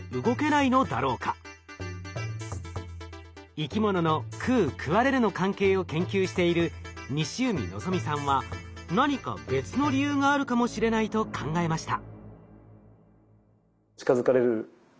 生き物の「食う食われる」の関係を研究している西海望さんは何か別の理由があるかもしれないと考えました。